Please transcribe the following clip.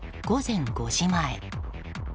午前５時前。